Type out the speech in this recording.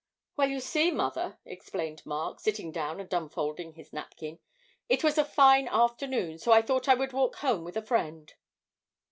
'Well, you see, mother,' explained Mark, sitting down and unfolding his napkin, 'it was a fine afternoon, so I thought I would walk home with a friend.'